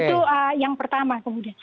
itu yang pertama kemudian